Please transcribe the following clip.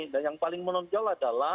dan yang paling menonjol adalah ya